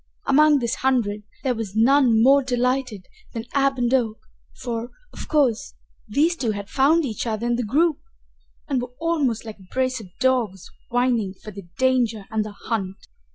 Among this hundred there was none more delighted than Ab and Oak, for, of course, these two had found each other in the group, and were almost like a brace of dogs whining for the danger and the hunt.